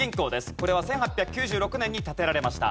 これは１８９６年に建てられました。